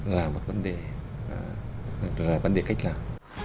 là một vấn đề khác